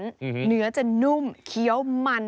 เนื้อจะนุ่มเคี้ยวมัน